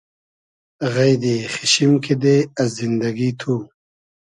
غݷدی خیچشیم کیدې از زیندئگی تو